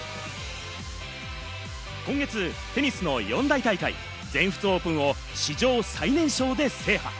今月、テニスの四大大会・全仏オープンを史上最年少で制覇。